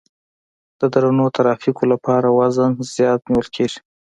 د درنو ترافیکو لپاره وزن زیات نیول کیږي